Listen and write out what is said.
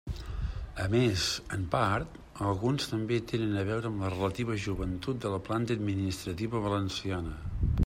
A més, en part, alguns també tenen a veure amb la relativa joventut de la planta administrativa valenciana.